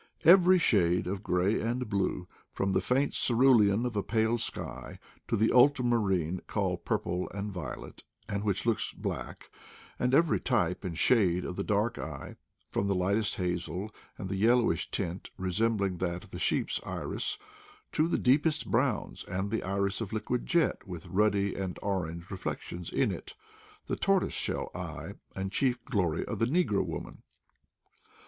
Every shade of gray and blue, from the faint cerulean of a pale sky, to the ultra marine, called purple and violet, and which looks black; and every type and shade of the dark eye, from the lightest hazel and the yellowish tint re sembling that of the sheep's iris, to the deepest browns, and the iris of liquid jet with ruddy and orange reflections in it — the tortoiseshell eye and chief glory of the negro woman.